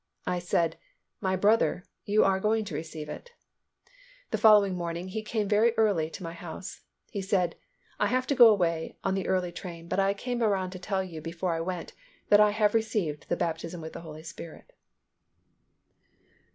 I said, "My brother, you are going to receive it." The following morning he came very early to my house. He said, "I have to go away on the early train but I came around to tell you before I went that I have received the baptism with the Holy Spirit."